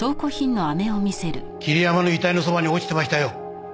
桐山の遺体のそばに落ちてましたよ。